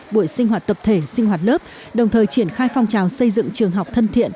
buổi sinh hoạt tập thể sinh hoạt lớp đồng thời triển khai phong trào xây dựng trường học thân thiện